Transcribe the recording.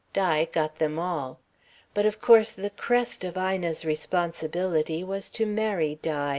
Di got them all. But of course the crest of Ina's responsibility was to marry Di.